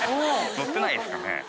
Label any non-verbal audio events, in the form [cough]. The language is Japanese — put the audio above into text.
乗ってないですかね [laughs]